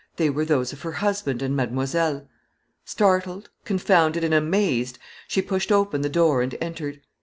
They were those of her husband and mademoiselle. Startled, confounded, and amazed, she pushed open the door, and entered.